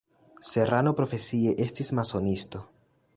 Serrano profesie estis masonisto.